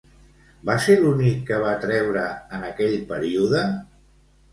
Va ser l'únic que va treure en aquell període?